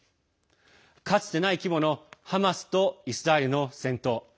かつてない規模のハマスとイスラエルの戦闘。